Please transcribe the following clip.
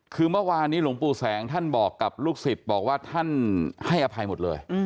คือเมื่อวานนี้หลวงปู่แสงท่านบอกกับลูกศิษย์บอกว่าท่านให้อภัยหมดเลย